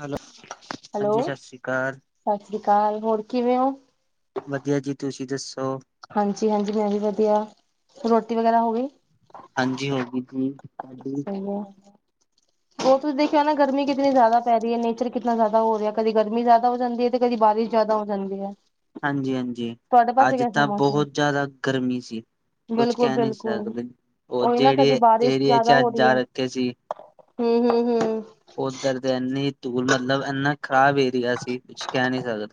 Hello, hello ਹਾਂਜੀ ਸਤਿ ਸ਼੍ਰੀ ਅਕਾਲ। ਸਤਿ ਸ੍ਰੀ ਅਕਾਲ, ਹੋਰ ਕਿਵੇਂ ਹੋ? ਵਧੀਆ ਜੀ, ਤੁਸੀਂ ਦੱਸੋ? ਹਾਂਜੀ ਹਾਂਜੀ ਮੈਂ ਵੀ ਵਧੀਆ, ਰੋਟੀ ਵਗੈਰਾ ਹੋ ਗਈ? ਹਾਂਜੀ, ਹੋ ਗਈ ਜੀ। ਤੁਹਾਡੀ ਸਹੀ ਏ ਹੋਰ ਤੁਸੀਂ ਦੇਖਿਓ ਨਾ, ਗਰਮੀ ਕਿਤਨੀ ਜ਼ਿਆਦਾ ਪੈ ਰਹੀ ਏ। ਨੇਚਰ ਕਿਤਨਾ ਜ਼ਿਆਦਾ ਹੋ ਰਿਹਾ ਕਦੀ ਗਰਮੀ ਜ਼ਿਆਦਾ ਹੋ ਜਾਂਦੀ ਏ। ਤੇ ਕਦੀ ਬਾਰਿਸ਼ ਜਿਆਦਾ ਹੋ ਜਾਂਦੀ ਏ। ਹਾਂਜੀ ਹਾਂਜੀ, ਅੱਜ ਤਾਂ ਮੌਸਮ ਬਹੁਤ ਜ਼ਿਆਦਾ ਗਰਮੀ ਸੀ। ਕੁਛ ਬਿਲਕੁਲ ਕਹਿ ਨੀ ਬਿਲਕੁਲ ਸਕਦੇ। ਉਹ ਉਹੀ ਨਾ ਜਿਹੜੇ ਚ ਅੱਜ ਜਾ ਰੱਖੇ ਸੀ। ਹੂੰ ਹੂੰ ਹੂੰ ਓਧਰ ਦੇ ਇੰਨੀ ਧੂਲ ਮਤਲਬ, ਖ਼ਰਾਬ ਏਰੀਆ ਸੀ ਕੁਛ ਕਹਿ ਨੀ ਸਕਦੇ।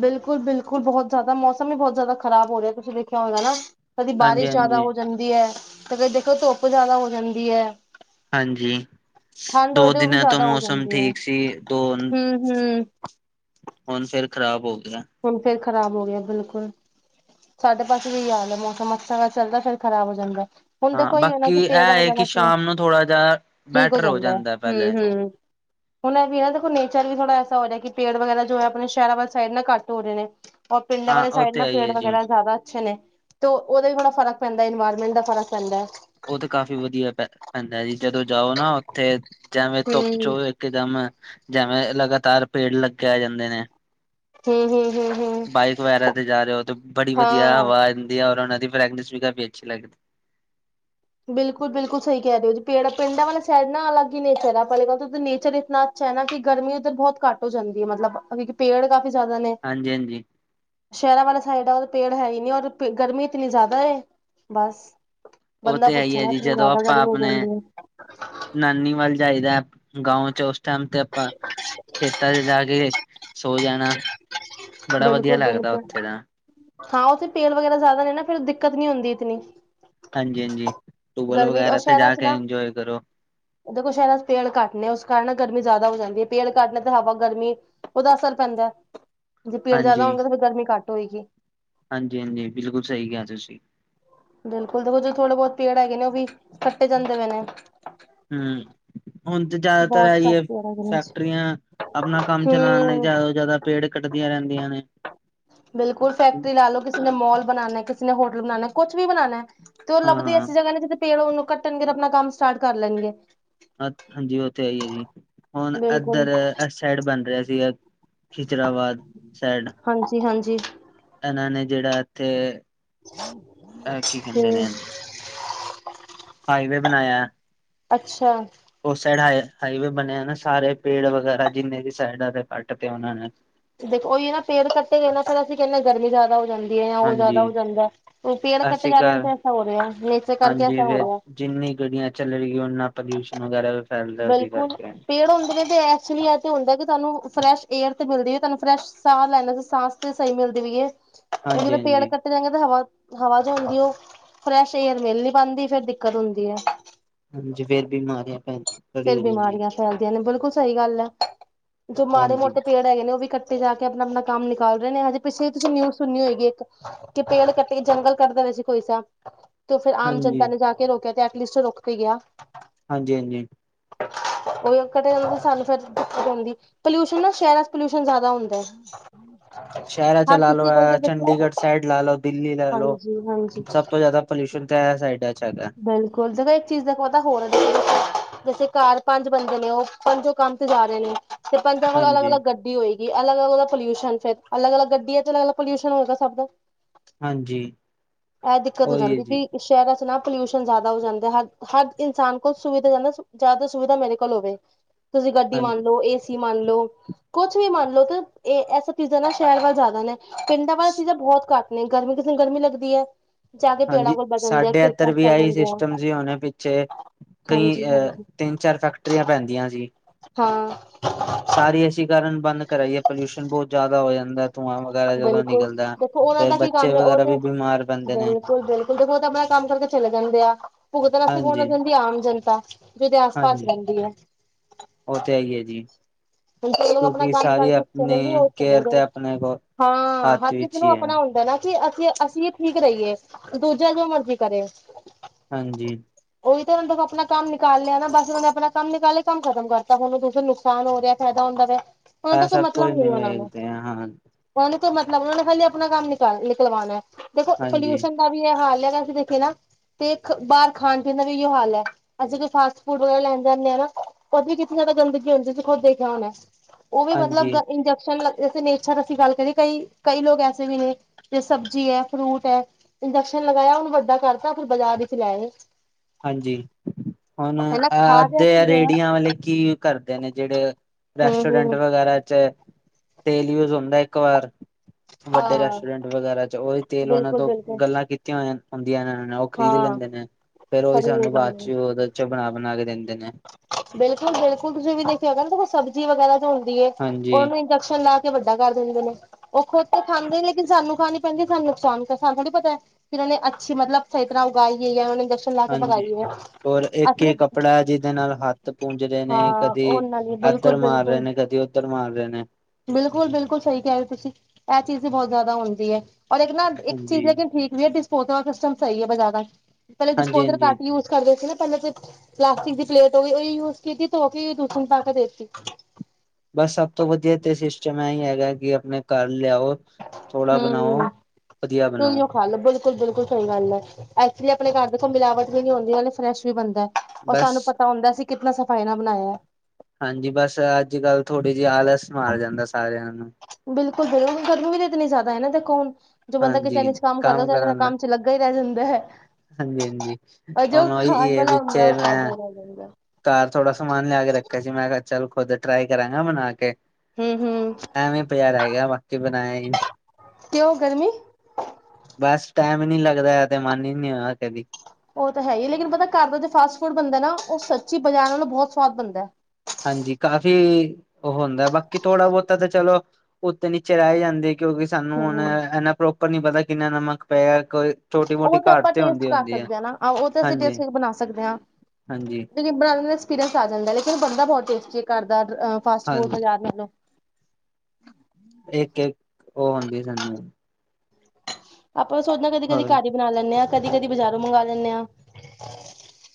ਬਿਲਕੁਲ ਬਿਲਕੁਲ। ਬਹੁਤ ਜ਼ਿਆਦਾ ਮੌਸਮ ਵੀ ਬਹੁਤ ਜ਼ਿਆਦਾ ਖਰਾਬ ਹੋ ਰਿਹਾ ਤੁਸੀਂ ਦੇਖਿਆ ਹੋਏਗਾ ਨਾ। ਕਦੀ ਹਾਂਜੀ ਬਾਰਿਸ਼ ਜਿਆਦਾ ਹਾਂਜੀ ਹੋ ਜਾਂਦੀ ਏ, ਕਦੇ ਦੇਖੋ ਧੁੱਪ ਜਿਆਦਾ ਹੋ ਜਾਂਦੀ ਹੈ। ਹਾਂਜੀ ਠੰਡ ਹੋਏ ਦੋ ਤੇ ਉਹ ਵੀ ਦਿਨਾਂ ਤੋਂ ਜ਼ਿਆਦਾ ਹੋ ਮੌਸਮ ਜਾਂਦੀ ਹੈ ਠੀਕ ਸੀ। ਦੋ ਹਮ ਹਮ ਹੁਣ ਫਿਰ ਖਰਾਬ ਹੋ ਗਿਆ। ਹੁਣ ਫਿਰ ਖ਼ਰਾਬ ਹੋ ਗਿਆ। ਬਿਲਕੁਲ ਸਾਡੇ ਪਾਸੇ ਦਾ ਇਹੀ ਹਾਲ ਹੈ। ਮੌਸਮ ਅੱਛਾ ਚੱਲਦਾ ਫਿਰ ਖਰਾਬ ਹੋ ਜਾਂਦਾ। ਹੁਣ ਹਾਂ, ਦੇਖੋ ਇਹੀ ਨਾ ਕਿ ਬਾਕੀ ਇਹ ਪੇੜ ਹੈ ਕਿ ਵਗੈਰਾ ਤੇ ਸ਼ਾਮ ਨੂੰ ਥੋੜ੍ਹਾ ਜਿਹਾ ਠੀਕ ਬੈਟਰ ਹੋ ਹੈ ਜਾਂਦਾ ਪਹਿਲੇ ਹਮ ਤੋਂ [inaudible] ਹਮ ਹੁਣ ਇਹ ਵੀ ਨਾ ਦੇਖੋ, ਨੇਚਰ ਵੀ ਥੋੜ੍ਹਾ ਐਸਾ ਹੋ ਰਿਹਾ ਕਿ ਪੇੜ ਵਗੈਰਾ ਜੋ ਹੈ ਆਪਣੇ ਸ਼ਹਿਰਾਂ ਵਾਲੇ ਸਾਈਡ ਨਾ ਘੱਟ ਹੋ ਰਹੇ ਨੇ। ਔਰ ਪਿੰਡਾਂ ਹਾਂ ਵਾਲੇ ਉਹ ਸਾਈਡ ਤੇ ਨਾ ਆਈ ਪੇੜ ਹੈ ਜੀ ਵਗੈਰਾ ਜ਼ਿਆਦਾ ਅੱਛੇ ਨੇ। ਤੇ ਉਹਦਾ ਹੀ ਬੜਾ ਫਰਕ ਪੈਂਦਾ ਇਨਵਾਇਰਮੈਂਟ ਦਾ ਫਰਕ ਹੈ। ਉਹ ਤੇ ਕਾਫ਼ੀ ਵਧੀਆ ਪੈ ਪੈਂਦਾ ਜੀ, ਜਦੋਂ ਜਾਓ ਨਾ ਉੱਥੇ ਜੈਵੇ ਧੁੱਪ ਹਮ ਚੋ- ਇਕਦਮ ਜਿਵੇਂ ਲਗਾਤਾਰ ਪੇੜ ਲੱਗੇ ਜਾਂਦੇ ਨੇ। ਹੁੰ-ਹੁੰ-ਹੁੰ-ਹੁੰ ਬਾਈਕ ਵਗੈਰਾ ਤੇ ਜਾ ਰਹੇ ਹੋ ਤੇ ਬੜੀ ਵਧੀਆ ਹਾਂ ਹਵਾ ਆਂਦੀ ਹੈ ਹੋਰ ਉਹਨਾਂ ਦੀ ਪ੍ਰੈਕਟਿਸ ਵੀ ਕਾਫ਼ੀ ਅੱਛੀ ਲੱਗਦੀ ਬਿਲਕੁਲ -ਬਿਲਕੁਲ, ਸਈ ਕਹਿ ਰਏ ਹੋ। ਪੇੜ ਪਿੰਡਾਂ ਵਾਲਾ ਸਾਈਡ ਨਾ ਅਲੱਗ ਹੀ ਨੇਚਰ ਐ। ਪਹਿਲੀ ਗਲ ਤਾਂ ਉਦੇ ਨੇਚਰ ਈ ਇਤਨਾ ਅੱਛਾ ਹੈ ਨਾ ਕਿ ਗਰਮੀ ਉੱਧਰ ਬਹੁਤ ਘੱਟ ਹੋ ਜਾਂਦੀ ਐ ਮਤਲਬ ਕਿਉਂਕਿ ਪੇੜ ਕਾਫ਼ੀ ਜਿਆਦਾ ਨੇ। ਹਾਂਜੀ ਹਾਂਜੀ ਸ਼ਹਿਰਾਂ ਵਾਲਾ ਸਾਈਡ ਤੇ ਪੇੜ ਹੈ ਈ ਨਈ ਔਰ ਗਰਮੀ ਇਤਨੀ ਜਿਆਦਾ ਏ। ਓਹ ਤੇ ਹੈ ਈ ਐ ਜੀ। ਜਦੋਂ ਆਪਾਂ ਗਰਮੀ ਹੋ ਆਪਨੇ ਜਾਂਦੀ ਹੈ ਨਾਨੀ ਵੱਲ ਜਾਈਦੈ, ਗਾਓ ਚ ਉਸ ਟੈਮ ਤੇ ਆਪਾਂ ਖੇਤਾਂ ਚ ਜਾ ਕੇ ਸੋ ਜਾਣਾ। ਬੜਾ ਵਦੀਆ ਬਿਲਕੁਲ ਲੱਗਦਾ ਬਿਲਕੁਲ ਓਥੇ ਤਾਂ ਹਾਂ, ਓਥੇ ਪੇੜ ਵਗੈਰਾ ਜਿਆਦਾ ਨੇ ਨਾ, ਫੇਰ ਦਿੱਕਤ ਨੀ ਹੋਂਦੀ ਇਤਨੀ। ਹਾਂਜੀ-ਹਾਂਜੀ। ਟਯੂਬੈਲ ਗਰਮੀ ਔਰ ਵਗੈਰਾ ਤੇ ਸ਼ਹਿਰਾਂ ਜਾ ਚ ਕੇ ਨਾ ਇੰਜੋਏ ਕਰੋ। ਦੇਖੋ, ਸ਼ਹਿਰਾਂ ਚ ਪੇੜ ਘੱਟ ਨੇ ਉਸ ਕਾਰਨ ਗਰਮੀ ਜ਼ਿਆਦਾ ਹੋ ਜਾਂਦੀ ਐ। ਪੇੜ ਘੱਟ ਨੇ ਤੇ ਹਵਾ ਗਰਮੀ ਉਹਦਾ ਅਸਰ ਪੈਂਦੈ, ਜੇ ਪੇੜ ਜਿਆਦਾ ਹੋਨਗੇ ਤੇ ਫੇਰ ਗਰਮੀ ਘੱਟ ਹੋਏਗੀ। ਹਾਂਜੀ-ਹਾਂਜੀ। ਬਿਲਕੁਲ ਸਈ ਕਿਆ ਤੁਸੀਂ। ਬਿਲਕੁਲ ਦੇਖੋ, ਜੋ ਥੋੜੇ ਬਹੁਤ ਪੇੜ ਹੈਗੇ ਨੇ ਓਹ ਵੀ ਕੱਟੇ ਜਾਂਦੇ ਪਏ ਨੇ। ਹੁੰ ਹੁਨ ਤੇ ਜਿਆਦਾਤਰ ਬਹੁਤ ਐਈ ਘੱਟ ਏ। ਪੇੜ ਹੈਗੇ ਨੇ ਜੀ। ਫੈਕਟਰੀਆਂ ਆਪਨਾ ਕੰਮ ਚਲਾਨ ਲਈ ਹੂੰ ਜਿਆਦਾ ਤੋਂ ਜਿਆਦਾ ਪੇੜ ਕੱਟਦੀਆਂ ਰਹਿੰਦੀਆਂ ਨੇ। ਬਿਲਕੁਲ, ਫੈਕਟਰੀ ਲਾ ਲੋ, ਕਿਸੇ ਨੇ ਮੋਲ ਬਨਾਨੈ, ਕਿਸੇ ਨੇ ਹੋਟਲ ਬਨਾਨੈ, ਕੁਛ ਵੀ ਬਨਾਨੈ ਤੇ ਓਹ ਲੱਭਦੇ ਹਾਂ ਐਸੀ ਜਗ੍ਹਾ ਨੇ ਜਿੱਥੇ ਪੇੜ ਓਹਨੂੰ ਕੱਟਨਗੇ ਤੇ ਆਪਨਾ ਕੰਮ ਸਟਾਰਟ ਕਰ ਲੈਨਗੇ। ਹ ਹਾਂਜੀ, ਓ ਤੇ ਹੈ ਈ ਏ ਜੀ। ਹੁਨ ਬਿਲਕੁਲ ਐਦਰ ਐਸ ਹੈਡ ਬਨ ਰਿਆ ਸੀਗਾ, ਖਿਜਰਾਬਾਦ ਸੈਡ ਹਾਂਜੀ-ਹਾਂਜੀ। ਐਹਨਾਂ ਨੇ ਜੇਹੜਾ ਐਥੇ, ਐਹ ਕੀ ਕਹਿੰਦੇ ਤੇ ਨੇ ਐਨ? ਹਾਈਵੇ ਬਨਾਇਐ ਅੱਛਾ ਉਸ ਸੈਡ ਹ ਹਾਈਵੇ ਬਨਿਆ ਨਾ ਸਾਰੇ ਪੇੜ ਵਗੈਰਾ ਜਿੰਨੇ ਵੀ ਸਾਈਡਾਂ ਤੇ ਕੱਟ ਤੇ ਓਹਨਾਂ ਨੇ ਦੇਖੋ, ਓਹੀ ਨਾ, ਪੇੜ ਕੱਟੇ ਗਏ ਨਾ ਫੇਰ ਅਸੀਂ ਕਹਿੰਦੇ ਗਰਮੀ ਜਿਆਦਾ ਹੋ ਜਾਂਦੀ। ਜਾਂ ਓਹ ਜਿਆਦਾ ਹਾਂਜੀ ਹੋ ਜਾਂਦੈ, ਉਹ ਪੇੜ ਕੱਟੇ ਅਸੀਂ ਜਾ ਰਹੇ ਨੇ ਘਰ ਤੇ ਐਸਾ ਹੋ ਰਿਆ, ਨੇਚਰ ਕਰਕੇ ਹਾਂਜੀ ਐਸਾ ਹੋ ਫ ਰਿਐ। ਜਿੰਨੀ ਗੱਡੀਆਂ ਚੱਲਣਗੀਆਂ ਓਨਾ ਪੋਲਿਊਸ਼ਨ ਵਗੈਰਾ ਫੈਲਦਾ ਸੀ ਬਿਲਕੁਲ, ਕਰਕੇ ਪੇੜ ਹੋਂਦੇ ਨੇ ਤੇ ਐਕਚੂਲੀ ਅੱਜ ਹੁੰਦਾ ਕਿ ਤੁਹਾਨੂੰ ਫਰੈਸ਼ ਏਅਰ ਤੇ ਮਿਲਦੀ ਏ। ਤੁਹਾਨੂੰ ਫਰੈਸ਼ ਸਾਹ ਲੈਨ ਲਈ ਸਾਂਸ ਤੇ ਸਈ ਮਿਲਦੀ ਵੀ ਏ। ਹਾਂਜੀ ਕੁੜੁਪਏਲ ਹਾਂਜੀ ਕੱ [unintelligible] ਫਿਰ ਐਵੇਂ ਤੇ ਹਵਾ, ਹਵਾ ਜਾਂਦੀ ਏ, ਫਰੈਸ਼ ਏਅਰ ਮਿਲ ਨੀ ਪਾਂਦੀ ਫੇਰ ਦਿੱਕਤ ਹੁੰਦੀ ਐ। ਹਾਂਜੀ, ਫੇਰ ਬਿਮਾਰੀਆਂ ਫੈਲ ਫਿਰ ਬਿਮਾਰੀਆਂ ਫੈਲਦੀਆਂ ਨੇ, ਬਿਲਕੁਲ ਸਈ ਗੱਲ ਐ। ਜੋ ਮਾੜੇ ਹਾਂਜੀ ਮੋਟੇ ਪੇੜ ਹੈਗੇ ਨੇ, ਓਹ ਵੀ ਕੱਟੇ ਜਾ ਕੇ। ਆਪਨਾ-ਆਪਨਾ ਕੰਮ ਨਿਕਾਲ ਰਏ ਨੇ। ਹਜੇ ਪਿੱਛੇ ਵੀ ਤੁਸੀਂ ਨਿਊਜ਼ ਸੁਣੀ ਹੋਏਗੀ, ਇੱਕ ਕਿ ਪੇੜ ਕੱਟੇ, ਜੰਗਲ ਕੱਟ ਦੇਣਾ ਸੀ ਕੋਈ ਸਾ ਤੇ ਫਿਰ ਆਮ ਜਨਤਾ ਹਾਂਜੀ ਨੇ ਜਾ ਕੇ ਰੋਕਿਆ ਤੇ ਐਟਲੀਸਟ ਰੁੱਕ ਕੇ ਗਿਆ ਹਾਂਜੀ-ਹਾਂਜੀ। ਓਹ ਕਟੇ ਜਾਂਦੇ ਫਿਰ ਸਾਨੂੰ ਫਿਰ ਦਿੱਕਤ ਔਂਦੀ। ਪਲਿਊਸ਼ਨ ਨਾ ਸ਼ਹਿਰਾਂ ਚ ਧਲਿਊਸ਼ਨ ਜ਼ਿਆਦਾ ਹੁੰਦਾ ਐ। ਸ਼ਹਿਰਾਂ 'ਚ ਲਾ ਲੋ, ਐ ਦੇਖੋ ਚੰਡੀਗੜ੍ਹ ਸਾਈਡ ਲਾ ਲੋ, ਦਿੱਲੀ ਲਾ ਲੋ ਹਾਂਜੀ ਹਾਂਜੀ ਸਭ ਤੋਂ ਜਿਆਦਾ ਪਲਿਉਸ਼ਨ ਤੇ ਐ ਸਾਡੀਆਂ ਚ ਹੈਗਾ। ਬਿਲਕੁਲ, ਜਦੋ ਇੱਕ ਚੀਜ ਦਾ ਪਤੈ ਹੋਰ। [unintelligible] ਇਕ ਕਾਰ ਚਾਰ- ਪੰਜ ਬੰਦੇ ਨੇ ਉਹ ਪੰਜੋ ਕੰਮ ਤੇ ਜਾ ਰਹੇ ਨੇ, ਤੇ ਪੰਜਾਂ ਕੋਲ ਅਲੱਗ ਹਾਂਜੀ ਅਲੱਗ ਗੱਡ ਗੱਡੀ ਹੋਏਗੀ ਅਲੱਗ -ਅਲੱਗ ਉਹਦਾ ਪੋਲਿਊਸ਼ਨ, ਫਿਰ ਅਲੱਗ- ਅਲੱਗ ਗੱਡੀਆਂ ਚ ਅਲੱਗ -ਅਲੱਗ ਪੋਲਿਊਸ਼ਨ ਹੋਗਾ ਸਭ ਦਾ ਹਾਂਜੀ ਇਹ ਦਿੱਕਤ ਹੋ ਉਹੀ ਹੈ ਜਾਂਦੀ ਜੀ ਵੀ ਸ਼ਹਿਰਾਂ 'ਚ ਨਾ ਪੋਲਿਊਸ਼ਨ ਜ਼ਿਆਦਾ ਹੋ ਜਾਂਦਾ ਹ ਹਰ ਇਨਸਾਨ ਕੋਲ ਸੁਵਿਧਾ ਜਾਂਦਾ ਜ਼ਿਆਦਾ ਸੁਵਿਧਾ ਮੇਰੇ ਕੋਲ ਹੋਵੇ। ਤੁਸੀਂ ਗੱਡੀ ਮੰਨ ਹਾਂਜੀ ਲੋ ਏ ਏ ਸੀ ਮੰਨ ਲੋ, ਕੁਛ ਵੀ ਮੰਨ ਲੋ ਤੇ ਇਹ ਐ ਸਭ ਚੀਜ਼ਾਂ ਨਾ ਸ਼ਹਿਰ ਵੱਲ ਜ਼ਿਆਦਾ ਨੇ। ਪਿੰਡਾਂ ਵਾਲਾ ਚੀਜ਼ਾਂ ਬਹੁਤ ਘੱਟ ਨੇ ਗਰਮੀ ਕਿਸੇ ਨੂੰ ਗਰਮੀ ਲੱਗਦੀ ਹੈ, ਜਾ ਕੇ ਪੇੜਾਂ ਹਾਂਜੀ ਕੋਲ ਬੈਠ ਜਾਂਦੇ ਆ। ਸਾਡੇ ਇੱਧਰ ਚ ਵੀ ਬਹਿ ਆਈ ਜਾਂਦੇ ਆ ਸਿਸਟਮ ਸੀ ਉਹਨਾਂ ਪਿੱਛੇ ਕਈ ਹਾਂਜੀ ਅ ਹਾਂਜੀ ਤਿੰਨ ਚਾਰ ਫੈਕਟਰੀਆਂ ਪੈਂਦੀਆਂ ਸੀ। ਹਾਂ। ਸਾਰੇ ਅ ਕਾਰਨ ਬੰਦ ਕਰਈ ਏ ਪੋਲਿਊਸ਼ਨ ਬਹੁਤ ਜ਼ਿਆਦਾ ਹੋ ਜਾਂਦਾ ਹੈ ਧੂੰਆਂ ਵਗੈਰਾ ਜਦੋਂ ਬਿਲਕੁਲ ਨਿਕਲਦਾ ਦੇਖੋ ਉਹਨਾਂ ਫੇਰ ਦਾ ਕੀ ਬੱਚੇ ਕੰਮ ਹੈ ਉਹ ਵਗੈਰਾ ਤੇ ਵੀ ਬਿਮਾਰ ਪੈਂਦੇ ਨੇ ਬਿਲਕੁਲ- ਬਿਲਕੁਲ ਦੇਖੋ ਉਹ ਤਾਂ ਆਪਣਾ ਕੰਮ ਕਰਕੇ ਚਲੇ ਜਾਂਦੇ ਆਂ। ਭੁਗਤਣਾ ਵਾਸਤੇ ਕੋਣ ਐ ਹਾਂਜੀ ਹੁੰਦੀ ਆਮ ਜਨਤਾ, ਜੋ ਉਦੇ ਆਸ ਪਾਸ ਹਾਂਜੀ ਰਹਿੰਦੀ ਹੈ। ਉਹ ਤੇ ਹੈ ਹੀ ਹੈ ਜੀ ਹੁਣ ਕਈ ਲੋਕ ਆਪਣਾ ਕਿਉੰਕਿ ਕੰਮ ਸਾਰੀ ਕਰਕੇ ਚਲੇ ਗਏ ਆਪਣੀ ਉਹ ਚਲੇ ਕੇਅਰ ਤੇ ਗਏ ਆਪਣੇ ਕੋਲ ਹਾਂ ਹਰ ਕਿਸੇ ਨੂੰ ਆਪਣਾ ਹੁੰਦਾ ਨਾ ਕਿ ਅਸੀਂ- ਅਸੀਂ ਇਹ ਠੀਕ ਰਹੀਏ। ਦੂਜਾ ਜੋ ਮਰਜ਼ੀ ਕਰੇ ਹਾਂਜੀ। ਉਹੀ ਤਾਂ ਉਹ ਦੇਖੋ ਆਪਣਾ ਕੰਮ ਨਿਕਾਲ ਲਿਆ ਨਾ ਬਸ ਉਹਨੇ ਆਪਣਾ ਕੰਮ ਨਿਕਾਲ ਲਿਆ ਕੰਮ ਖਤਮ ਕਰਤਾ ਤੁਹਾਨੂੰ ਫਿਰ ਨੁਕਸਾਨ ਹੋ ਰਿਹਾ। ਫ਼ਾਇਦਾ ਹੁੰਦਾ ਪਯਾ ਐ, ਉਹਨਾਂ ਦਾ ਇਹ ਕੋਈ ਸਭ ਕੁਝ ਮਤਲਬ ਨਹੀਂ ਉਹਨਾਂ ਨੂੰ ਨਿਵੇੇਖਦੇ ਆ ਹਾਂ ਉਹਨਾਂ ਨੂੰ ਕੋਈ ਮਤਲਬ ਨਈ, ਉਹ ਨੇ ਖਾਲੀ ਆਪਣਾ ਕੰਮ ਨਿਕ ਨਿਕਲਵਾਉਣਾ ਦੇਖੋ ਹਾਂਜੀ ਪੋਲਿਊਸ਼ਨ ਦਾ ਵੀ ਇਹ ਹਾਲ ਹੈਗਾ ਅਸੀਂ ਦੇਖੀਏ ਨਾ, ਦੇਖ ਬਾਹਰ ਖਾਣ ਪੀਣ ਦਾ ਵੀ ਈਉ ਹਾਲ ਹੈ। ਅਸੀਂ ਕੋਈ ਫਾਸਟ ਫੂਡ ਵਗੈਰਾ ਲੈਂਦੇ ਨਈ ਆ, ਉਹਦੇ ਵੀ ਕਿੰਨੀ ਜ਼ਿਆਦਾ ਗੰਦਗੀ ਹੁੰਦੀ ਸੀ ਖੁਦ ਦੇਖ [inaudible] ਉਹ ਵੀ ਮਤਲਬ ਹਾਂਜੀ ਇੰਨਜੈਕਸ਼ਨ ਜੈਸੇ ਨੇਚਰ ਅਸੀਂ ਗੱਲ ਕਰੀਏ ਕਈ- ਕਈ ਲੋਕ ਐਸੇ ਵੀ ਨੇ ਇਹ ਸਬਜ਼ੀ ਹੈ, ਫਰੂਟ ਹੈ। ਇੰਨਜੈਕਸ਼ਨ ਲਗਾਇਆ ਉਹਨੂੰ ਵੱਡਾ ਕਰਤਾ ਫਿਰ ਬਾਜ਼ਾਰ ਇਚ ਲੈ ਆਏ। ਹਾਂਜੀ ਹੁਣ ਹਨਾ ਖਾ ਅ ਤੇ ਅਸੀਂ ਅੱਧੇ ਰਹੇ ਰੇਹੜੀਆਂ ਵਾਲੇ ਕੀ ਕਰਦੇ ਨੇ ਜਿਹੜੇ ਹਾਂ ਹੂੰ ਰੈਸਟੋਰੈਂਟ ਹੂੰ, ਵਗੈਰਾ 'ਚ ਤੇਲ ਯੂਜ ਹੁੰਦਾ ਇੱਕ ਵਾਰ ਵੱਡੇ ਹਾਂ ਰੈਸਟੋਰੈਂਟ ਵਗੈਰਾ ਚ ਉਹਹੀ ਤੇਲ ਉਹਨਾਂ ਬਿਲਕੁਲ ਤੋਂ ਬਿਲਕੁਲ ਗੱਲਾਂ ਕੀਤੀਆਂ ਹੁੰਦੀਆਂ ਉਹਨਾਂ ਤੋਂ ਖਰੀਦ ਹਾਂ ਲੈਂਦੇ ਨੇ ਫਿਰ ਉਹੀ ਸਹੀ ਸਾਨੂੰ ਬਾਦ ਗੱਲ ਹੈ। ਚ ਉਹਦੇ 'ਚ ਬਣਾ -ਬਣਾ ਕੇ ਦਿੰਦੇ ਨੇ। ਬਿਲਕੁਲ -ਬਿਲਕੁਲ ਤੁਸੀਂ ਵੀ ਦੇਖਿਆ ਹੈਗਾ ਸਬਜ਼ੀ ਵਗੈਰਾ ਜੋ ਹੁੰਦੀ ਹੈ ਹਾਂਜੀ ਉਹਨੂੰ ਇੰਨਜੈਕਸ਼ਨ ਲਾ ਕੇ ਵੱਡਾ ਕਰ ਦਿੰਦੇ ਨੇ। ਉਹ ਖੁਦ ਤੇ ਖਾਂਦੇ ਨੀ, ਲੇਕਿਨ ਸਾਨੂੰ ਖਾਣੀ ਪੈਂਦੀ ਆ ਸਾਨੂੰ ਨੁਕਸਾਨ ਕਰਦੀ ਤਾਂ ਸਾਨੂੰ ਥੋੜੀ ਪਤਾ ਫਿਰ ਉਹਨੇ ਅੱਛੀ ਮਤਲਬ ਸਹੀ ਤਰ੍ਹਾਂ ਉਈਏ ਜਾ ਉਹਨਾਂ ਨੇ ਦੱਸ ਹਾਂਜੀ, ਹੋਰ ਇੱਕ ਹੀ ਕੱਪੜਾ ਜੀ ਜਿਹਦੇ ਨਾਲ ਹੱਥ ਪੂੰਜਦੇ ਹਾਂ ਨੇ ਕਦੀ ਉਹ ਨਾਲ ਹੀ ਇੱਧਰ ਬਿਲਕੁਲ ਮਾਰ ਰਹੇ ਨੇ ਕਦੀ ਉੱਧਰ ਮਾਰ ਰਹੇ ਨੇ ਬਿਲਕੁਲ- ਬਿਲਕੁਲ ਸਹੀ ਕਹਿ ਰਹੇ ਹੋ ਤੁਸੀਂ, ਇਹ ਚੀਜ਼ ਹੀ ਬਹੁਤ ਜ਼ਿਆਦਾ ਹੁੰਦੀ ਹੈ ਔਰ ਇੱਕ ਨਾ ਇੱਕ ਹਾਂਜੀ ਚੀਜ਼ ਲੇਕਨ ਠੀਕ ਵੀ ਹੈ ਡਿਸਪੋਜਲ ਸਿਸਟਮ ਸਹੀ ਹੈ ਪਰ ਜ਼ਿਆਦਾ ਐ ਪਹਿਲੇ ਹਾਂਜੀ ਡਿਸਪੋਜ਼ਲ ਹਾਂਜੀ ਘੱਟ ਯੂਜ ਕਰਦੇ ਸੀ ਨਾ ਪਹਿਲਾਂ ਤੇ ਪਲਾਸਟਿਕ ਦੀ ਪਲੇਟ ਉਹੀ ਉਹੀ ਯੂਜ ਕੀਤੀ ਧੋ ਕੇ ਉਹੀ ਦੂਸਰੇ ਨੂੰ ਪਾ ਕੇ ਦੇ ਤੀ ਬਸ ਸਭ ਤੋਂ ਵਧੀਆ ਤੇ ਸਿਸਟਮ ਐ ਹੀ ਹੈਗਾ ਕਿ ਆਪਣੇ ਘਰ ਲਿਆਓ। ਥੋੜ੍ਹਾ ਬਣਾਓ, ਵਧੀਆ ਬਣਾਓ। ਹੱਲ ਬਿਲਕੁਲ ਬਿਲਕੁਲ ਸਹੀ ਗੱਲ ਹੈ, ਐਚਲੀ ਆਪਣੇ ਘਰ ਦੇਖੋ ਮਿਲਾਵਟ ਵੀ ਨੀ ਹੁੰਦੀ ਨਵੇਂ ਫਰੈਸ਼ ਬਣਦਾ। ਉਹ ਬਸ ਸਾਨੂੰ ਪਤਾ ਹੁੰਦਾ ਸੀ ਅਸੀਂ ਕਿਤਨਾ ਸਫ਼ਾਈ ਨਾਲ ਬਣਾਇਆ। ਹਾਂਜੀ ਬਸ ਅੱਜ ਕੱਲ੍ਹ ਥੋੜ੍ਹੀ ਜਿਹੀ ਆਲਸ ਮਾਰ ਜਾਂਦਾ ਸਾਰਿਆਂ ਨੂੰ ਬਿਲਕੁਲ -ਬਿਲੁਕੁਲ ਗਰਮੀ ਵੀ ਤਾਂ ਇਤਨੀ ਜ਼ਿਆਦਾ ਹੈ ਨਾ ਦੇਖੋ, ਹੁਣ ਜੋ ਬੰਦਾ ਕਿਚਨ ਹਾਂਜੀ 'ਚ' ਕੰਮ ਕਰਦਾ ਕਰਨ ਦਾ ਕੰਮ ਚ ਲੱਗਦਾ ਕਈ ਰਹਿ ਜਾਂਦੈਂ। ਹਾਂਜੀ -ਹਾਂਜੀ ਉਹਨਾ ਈ ਇਹ ਵਾਲਾ ਵਿੱਚ ਹੁੰਦਾ ਉਹ ਆਵਾ ਖਾਦਾ ਹੀ ਰਹਿ ਜਾਂਦਾ ਘਾਰ ਥੋੜਾ ਸਮਾਨ ਲਿਆ ਕੇ ਰੱਖਿਆ ਸੀ, ਮੈਂ ਕਿਹਾ ਚੱਲ ਖੁਦ ਟਰਾਈ ਕਰਾਂਗੇ ਬਣਾ ਕੇ। ਹੂੰ-ਹੂੰ ਐਵੇਂ ਪਿਆ ਰਹਿ ਗਿਆ, ਬਾਕੀ ਬਣਾਇਆ ਹੀ ਨਹੀਂ। ਕਿਉਂ ਗਰਮੀ ਬਸ ਟਾਈਮ ਨੀ ਲੱਗਦਾ ਤੇ ਮਨ ਹੀ ਨੀ ਹੋਇਆ ਕਦੀ। ਉਹ ਤਾਂ ਹੈ ਹੀ, ਲੇਕਿਨ ਪਤਾ ਘਰ ਦਾ ਜੋ ਫਾਸਟ ਫੂਡ ਬਣਦਾ ਨਾ, ਉਹ ਸੱਚੀ ਬਜਾਰ ਨਾਲੋਂ ਬਹੁਤ ਸਵਾਦ ਬਣਦਾ। ਹਾਂਜੀ ਕਾਫ਼ੀ ਉਹ ਹੁੰਦਾ, ਬਾਕੀ ਥੋੜਾ ਬਹੁਤਾ ਤਾਂ ਚਲੋ ਉੱਤੇ ਨੀਚੇ ਰਹਿ ਜਾਂਦੀਏ, ਕਿਉਂਕਿ ਸਾਨੂੰ ਹੁਣ ਹੂੰ। ਇਨਾ ਪ੍ਰੋਪਰ ਨੀ ਪਤਾ ਕਿੰਨਾ ਨਮਕ ਪਏਗਾ ਕੋਈ ਛੋਟੀ ਉਹ ਮੋਟੀ ਤੇ ਘਾਟ ਆਪਾਂ ਟੇਸਟ ਹੁੰਦੀ ਕਰ ਹੁੰਦੀ ਹੈ ਸਕਦੇ ਹਾਂ, ਨਾ ਉਹ ਤੇ ਅਸੀਂ ਹਾਂਜੀ ਟੇਸਟ ਕਰਕੇ ਬਣਾ ਸਕਦੇ ਹਾਂ। ਹਾਂਜੀ ਜਿਮੇਂ -ਜਿਮੇਂ ਬਣਾ ਲੈਨੇ ਆ ਐਕਸਪੀਰੀਅੰਸ ਆ ਜਾਂਦਾ, ਲੇਕਿਨ ਬਣਦਾ ਬਹੁਤ ਟੈਸਟੀ ਘਰ ਦਾ ਫਾਸਟ ਫੂਡ ਹਾਂਜੀ ਯ ਮੈਨੂੰ ਇੱਕ- ਇੱਕ ਉਹ ਆਉਂਦੀ ਸਾਨੂੰ ਆਪਾਂ ਸੋਚਨਾ ਕਦੀ- ਕਦੀ ਹੋਰ ਘਰ ਹੀ ਬਣਾ ਲੈਨੇ ਹਾਂ, ਕਦੀ -ਕਦੀ ਬਜ਼ਾਰੋਂ ਮੰਗਵਾ ਲੈਂਨੇ ਹਾਂ।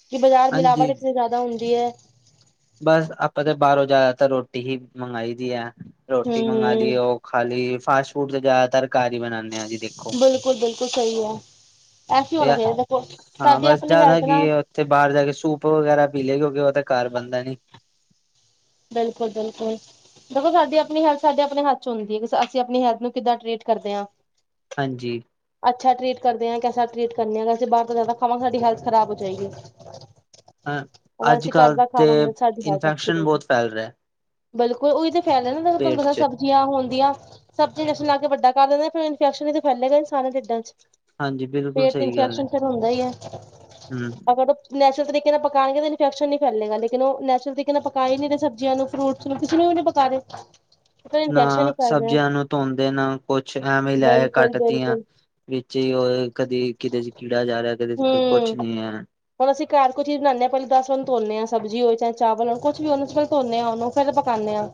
ਕਿ ਬਾਜ਼ਾਰ ਮਿਲਾਵਟ ਹਾਂਜੀ ਇਤਨੀ ਜ਼ਿਆਦਾ ਹੁੰਦੀ ਏ। ਬਸ, ਆਪਾਂ ਤਾਂ ਬਾਹਰੋਂ ਜ਼ਿਆਦਾਤਰ ਰੋਟੀ ਹੀ ਮੰਗਾਈ ਦੀ ਏ, ਰੋਟੀ ਮੰਗ ਹੂੰ-ਹੂੰ ਆਲੀ ਓ ਖਾਲੀ, ਫਾਸਟ ਫੂਡ ਤੇ ਜ਼ਿਆਦਾਤਰ ਘਰ ਹੀ ਬਣਾਨੇ ਆ ਜੀ। ਦੇਖੋ ਬਿਲਕੁਲ -ਬਿਲਕੁਲ ਸਹੀ ਹੈ, ਐਸੇ ਏ ਹੋਣਾ ਚਾਹੀਦਾ ਦੇਖੋ, ਸਾਡੀ ਆਪਣੀ ਹੈਲਥ ਨਾਲ ਤੇ ਬਾਹਰ ਜਾ ਕੇ ਸੂਪ ਵਗੈਰਾ ਪੀ ਲਏ, ਕਿਉਂਕਿ ਉਹ ਤਾਂ ਘਰ ਬਣਦਾ ਨੀ। ਬਿਲਕੁਲ- ਬਿਲਕੁਲ। ਦੇਖੋ, ਸਾਡੀ ਆਪਣੀ ਹੈਲਥ ਸਾਡੇ ਆਪਣੇ ਹੱਥ ਚ ਹੁੰਦੀ ਹੈ। ਅਸੀਂ ਆਪਣੀ ਹੈਲਥ ਨੂੰ ਕਿੱਦਾਂ ਟਰੀਟ ਕਰਦੇ ਹਾਂ। ਹਾਂਜੀ। ਅੱਛਾ ਟ੍ਰੀਟ ਕਰਦੇ ਆ, ਕੈਸਾ ਟ੍ਰੀਟ ਕਰਨੇ ਆ, ਵੈਸੇ ਬਾਹਰ ਤੋਂ ਜ਼ਿਆਦਾ ਖਾਵਾ ਸਾਡੀ ਹੈਲਥ ਖਰਾਬ ਹੋ ਜਾਏਗੀ। ਹਾਂ ਅਗਰ ਅੱਜ ਅਸੀਂ ਘਰ ਕੱਲ੍ਹ ਦਾ ਤੇ ਖਾਵਾਂਗੇ ਸਾਡੀ ਹੈਲਥ ਅੱਛੀ ਇਨਫੈਕਸ਼ਨ ਰਹੇਗੀ। [unintelligible] ਬਿਲਕੁਲ, ਉਹੀ ਤਾ ਕਹਿ ਰਹੇਂ ਨਾ ਪੇਟ ਪੰਦਰਾਂ ਸਬਦ। ਚ ਸਬਜ਼ੀਆਂ ਹੁੰਦੀਆਂ, ਸਬਜ਼ੀ ਇੰਡੈਸ਼ਨ ਲਾ ਕੇ ਵੱਡਾ ਕਰ ਦਿੰਦਾ ਨੇ, ਫਿਰ ਇਨਫੈਕਸ਼ਨ ਈ ਤੇ ਫੈਲੇਗਾ ਇਨਸਾਨ ਦੇ ਢਿੱਡਾਂ 'ਚ'। ਹਾਂਜੀ ਬਿਲਕੁਲ ਪੇਟ ਦੀ ਸਹੀ ਗੱਲ ਹੈ ਇਨਫੈਕਸ਼ਨ ਫਿਰ ਹੁੰਦਾ ਈ ਏ। ਹਮ ਅਗਰ ਨੈਚਰ ਤਰੀਕੇ ਨਾਲ ਪਕਾਉਣਗੇ ਤਾਂ ਇਨਫੈਕਸ਼ਨ ਨਹੀਂ ਫੈਲੇਗਾ, ਲੇਕਿਨ ਨੈਚਰ ਤਰੀਕੇ ਨਾਲ ਪਕਾਏ ਨਹੀਂ ਜ ਸਬਜੀਆਂ ਨੂੰ, ਫਰੂਟਸ ਨੂੰ, ਕਿਸੇ ਨੂੰ ਨਹੀਂ ਪਕਾ ਰਹੇਂ। ਨਾ ਸਬਜ਼ੀਆਂ ਨੂੰ ਧੋਂਦੇ ਨਾ ਕੁਛ ਐਵੇ ਲੈ ਬਿਲਕੁਲ ਕੱਟਤੀਆਂ। ਬਿਲਕੁਲ ਵਿੱਚ ਹੀ ਉਹ ਕਦੇ ਕਿਸੇ ਚ ਕੀੜਾ ਜਾ ਰਿਹਾ, ਕਿਦੇ ਹੂੰ ਚ ਕੁਛ ਨਹੀਂ ਹੈ। ਹੁਣ ਅਸੀਂ ਘਰ ਕੁੰਝ ਵੀ ਬਣਾਨੇਆਂ, ਪਹਿਲਾਂ ਦਸ ਬਾਰ ਧੋਨੇਆਂ ਸਬਜ਼ੀ ਹੋਏ ਚਾਵਲ ਹੋਣ ਕੁਛ ਵੀ ਹੋਣ। ਧੋਨੇ ਹਾਂ ਉਹਨੂੰ ਫੇਰ ਪਕਾਨੇ ਆਂ,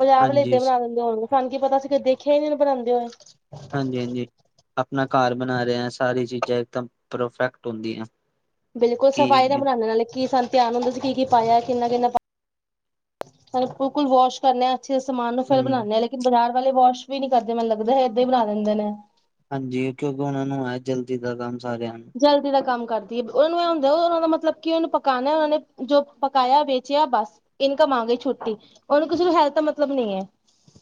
ਬਜਾਰ ਵਾਲੇ ਹਾਂਜੀ ਇਦਾ ਬਣਾ ਦਿੰਦੇ ਹੋਣਗੇ। ਸਾਨੂੰ ਕੀ ਪਤਾ ਅਸੀਂ ਕਦੇ ਦੇਖਿਆ ਹੀ ਨੀ ਬਣਾਉਂਦੇ ਹੋਏ। ਹਾਂਜੀ- ਹਾਂਜੀ ਆਪਣਾ ਘਰ ਬਣਾ ਰਹੇ ਆ, ਸਾਰੀ ਚੀਜ਼ਾਂ ਇਕਦਮ ਪਰਫੈਕਟ ਹੁੰਦੀਆਂ। ਬਿਲਕੁਲ ਸਫ਼ਾਈ ਨਾਲ ਕੀ ਬਣਾਨੇ ਆਂ ਨਾਲੇ ਕੀ ਸਨ। ਧਿਆਨ ਨਾਲ਼ ਦੱਸੀ ਕੀ-ਕੀ ਪਾਇਆ ਕਿੰਨ- ਕਿੰਨਾ ਪਾਇਆ ਵਾਸ਼ ਕਰਨੇ ਆ। ਅੱਛੇ ਸਮਾਨ ਨੂੰ ਫਿਰ ਬਣਾਦੇ ਹਮ ਹਾਂ, ਤਾਂ ਲੇਕਿਨ ਬਜ਼ਾਰ ਵਾਲੇ ਵਾਸ਼ ਵੀ ਨੀ ਕਰਦੇ ਮੈਨੂੰ ਲੱਗਦਾ ਏਦਾਂ ਹੀ ਬਣਾ ਦਿੰਦੇ ਨੇ। ਹਾਂਜੀ ਕਿਉਂਕਿ ਉਹਨਾਂ ਨੂੰ ਹੈ ਜਲਦੀ ਦਾ ਕੰਮ ਸਾਰਿਆਂ ਨੂੰ। ਜਲਦੀ ਦਾ ਕੰਮ ਕਰਦੀ ਹੈ, ਉਹਨੂੰ ਇਹ ਹੁੰਦਾ ਉਹਨਾਂ ਦਾ ਮਤਲਬ ਕਿ ਉਹਨੂੰ ਪਕਾਨਾ ਉਹਨਾਂ ਨੇ ਜੋ ਪਕਾਇਆ ਵੇਚਿਆ ਬਸ। ਇਨਕਮ ਆ ਗਈ ਛੁੱਟੀ, ਕਿਸੇ ਨੂੰ ਹੈਲਥ ਦਾ ਮਤਲਬ ਨਹੀਂ ਐ।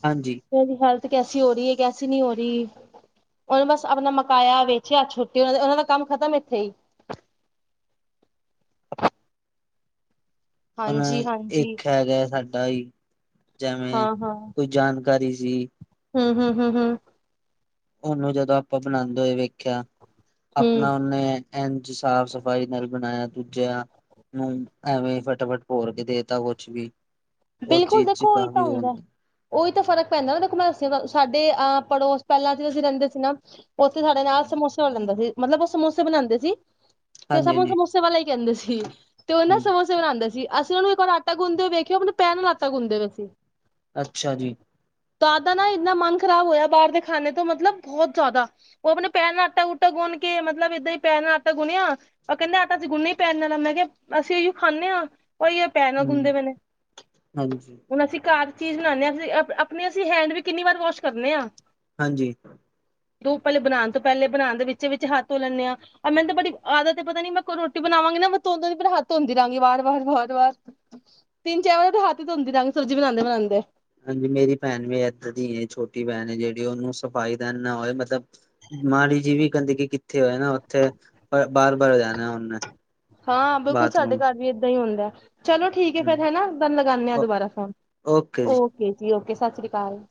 ਹਾਂਜੀ। ਦੀ ਹੈਲਥ ਕੈਸੀ ਹੋ ਰਹੀ ਹੈ ਕੈਸੀ ਨੀ ਹੋ ਰਹੀ। ਉਹਨੂੰ ਬਸ ਆਪਣਾ ਮਕਾਇਆ, ਵੇਚਿਆ, ਛੁੱਟੀ ਉਹ ਉਹਨਾ ਦਾ ਕੰਮ ਖ਼ਤਮ ਇੱਥੇ ਹੀ। ਹੁਣ ਹਾਂਜੀ ਹਾਂਜੀ ਇੱਕ ਹੈਗਾ ਸਾਡਾ ਇਹ। ਜਵੇ ਹਾਂ ਕੋਈ ਜਾਣਕਾਰੀ ਸੀ। ਹੂੰ ਹੂੰ ਹੂੰ ਹੂੰ। ਓਨੂੰ ਜਦੋਂ ਆਪਾਂ ਬਣਾਂਦੇ ਹੋਏ ਵੇਖੇਆ ਹਮ ਅਪਨਾ ਓਨੇ ਏੰਝ ਸਾਫ਼ ਸਫ਼ਾਈ ਨਾਲ ਬਣਾਏਆ ਦੂਜਾ ਨੂੰ ਐਵੇਂ ਫਟਾਫਟ ਭੋਰ ਕੇ ਦੇਤਾ ਕੁਛ ਵੀ। ਉਸ ਬਿਲਕੁਲ ਚੀਜ਼ ਚ ਦੇਖੋ ਓਈ ਕਾਫ਼ੀ ਤਾਂ ਉਹ ਹੁੰਦੈ। ਹੁੰਦੀ। ਓਈ ਤਾਂ ਫ਼ਰਕ ਪੈਂਦਾ ਨਾ ਦੇਖੋ ਮੈਂ ਦਸੀ ਸਾਡੇ ਅ ਪੜੋਸ ਪੈਲਾਂ ਜ ਅਸੀਂ ਰੈਂਦੇ ਸੀ ਨਾ ਓਥੇ ਸਾਡੇ ਨਾਲ ਸਮੋਸੇ ਵਾਲਾ ਰੈਂਦਾ ਸੀ ਮਤਲਬ ਓ ਸਮੋਸੇ ਬਨਾਂਦੇ ਸੀ। ਤੇ ਹਾਂਜੀ ਸਬ ਓਨੂੰ ਹਾਂਜੀ ਸਮੋਸੇ ਵਾਲਾ ਈ ਕੈਂਦੇ ਸੀ ਤੇ ਓ ਨਾ ਹਮ ਸਮੋਸੇ ਬਨਾਂਦੇ ਸੀ। ਅਸੀ ਓਨੂੰ ਇੱਕ ਵਾਰ ਆਟਾ ਗੁੰਨਦੇ ਵੇਖੇਆ ਅਪਨੇ ਪੈਰ ਨਾਲ ਆਟਾ ਗੁਨਦੇ ਪੇ ਸੀ। ਅੱਛਾ ਜੀ। ਤਾਂਦਾ ਨਾ ਇੰਨਾ ਮਨ ਖ਼ਰਾਬ ਹੋਏਆ ਬਾਰ ਦੇ ਖਾਣੇ ਤੋਂ ਮਤਲਬ ਬੋਹਤ ਜਾਦਾ। ਓ ਅਪਨੇ ਪੈਰ ਨਾਲ ਆਟਾ-ਉੂਟਾ ਗੁੰਨ ਕੇ ਮਤਲਬ ਏਦਾਂ ਈ ਪੈਰ ਨਾਲ ਆਟਾ ਗੁੰਨੇਆ ਓ ਕੈਂਦਾ ਆਟਾ ਅਸੀ ਗੁੰਨਨੇ ਈ ਪੈਰ ਨਾਲ ਆ। ਮੈਂ ਕੇਆ ਅਸੀ ਅਈਓ ਖਾਨੇ ਆਂ ਓਈ ਹੂੰ, ਹਾਂਜੀ। ਹੁਨ ਅਸੀ ਘਰ ਚੀਜ਼ ਬਨਾਨੇ ਆਂ ਅਸੀ ਅਪ ਅਪਣੇ ਹੈਂਡ ਵੀ ਕਿੰਨੀ ਵਾਰ ਵਾਸ਼ ਕਰਨੇ ਆਂ। ਹਾਂਜੀ। ਦੋ ਪਲ ਬਨਾਨ ਤੋਂ ਪੈਲੇ ਬਣਾਨ ਦੇ ਵਿੱਚ ਵਿੱਚ ਹੱਥ ਧੋ ਲੈਂਨੇ ਆਂ। ਅ ਮੈਨੂੰ ਤੇ ਬੜੀ ਆਦਤ ਏਪਤਾ ਨੀ ਮੈਂ ਕਰੋਟੀ ਬਣਾਵਾਂਗੀ ਨਾ ਮੈਂ ਦੋ ਦੋ ਮਿਂ ਪਰ ਹੱਥ ਧੋਂਦੀ ਰਾਂਗੀ ਵਾਰ-ਵਾਰ ਵਾਰ-ਵਾਰ [unintelligible] ਚਾਰ ਵਾਰੀ ਥਤੈ ਹੱਥ ਧੋਂਦੀ ਰਾਂਗੀ ਸਬਜੀ ਬਨਾਂਦੇ-ਬਨਾਂਦੇ। ਹਾਂਜੀ ਮੇਰੀ ਭੈਣ ਵੀ ਏਦਾਂ ਦੀਏ ਛੋਟੀ ਭੈਣ ਏ ਜਿਹੜੀ ਓਨੂੰ ਸਫ਼ਾਈ ਦਾ ਐਨਾ ਓਏ ਮਤਲਬ ਮਾੜੀ ਜੀ ਵੀ ਗੰਦਗੀ ਕਿੱਥੇ ਹੋਏ ਨਾ ਓਥੇ ਬਾਰ-ਬਾਰ ਜਾਣਾ ਐ ਓਨੇ ਹਾਂ, ਬਿਲਕੁਲ ਸਾਡੇ ਘਰ ਵੀ ਏਦਾਂ ਈ ਹੁੰਦਾ ਐ ਚਲੋ ਠੀਕ ਏ ਫਿਰ ਹਮ ਹੈ ਨਾ ਬਨ ਲਗਾਨੇ ਆ ਦੁਬਾਰਾ ਫੋਨ ਓਕੇ ਜੀ ਓਕੇ, ਸਤਿ ਸ੍ਰੀ ਅਕਾਲ।